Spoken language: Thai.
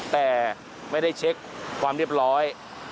แต่ไม่ได้เช็คความเรียบร้อย